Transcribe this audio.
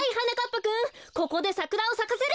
ぱくんここでサクラをさかせる！